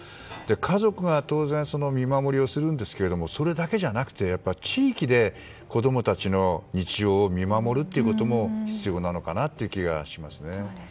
家族が当然、見守りをするんですがそれだけじゃなくて地域で子供たちの日常を見守ることも必要なのかなという気がします。